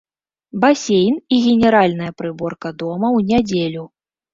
Басейн і генеральная прыборка дома ў нядзелю.